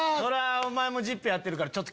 お前も『ＺＩＰ！』やってるから。